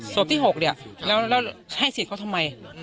ที่๖เนี่ยแล้วให้สิทธิ์เขาทำไม